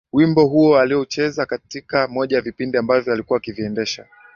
Wimbo huo aliucheza katika moja ya vipindi ambavyo alikuwa akiviendesha